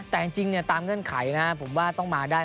แต่จริงตามเงื่อนไขนะผมว่าต้องมาได้